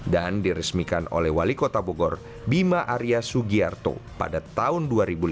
dan diresmikan oleh wali kota bogor bima arya sugiarto pada tahun dua ribu lima belas